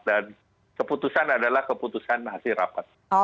dan keputusan adalah keputusan hasil rapat